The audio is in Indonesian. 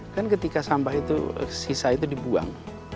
kan ketika sampah itu sisa itu dibuang